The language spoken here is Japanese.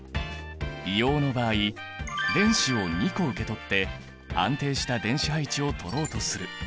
硫黄の場合電子を２個受け取って安定した電子配置をとろうとする。